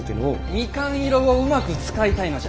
蜜柑色をうまく使いたいのじゃ！